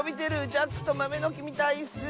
「ジャックとまめのき」みたいッス！